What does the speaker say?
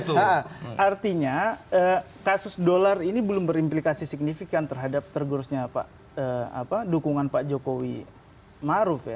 artinya kasus dolar ini belum berimplikasi signifikan terhadap tergerusnya dukungan pak jokowi maruf ya